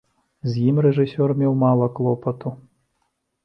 З ім рэжысёр меў мала клопату.